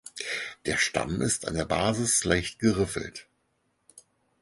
Der Stamm ist an der Basis leicht geriffelt.